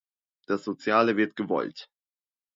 Das Soziale wird "gewollt".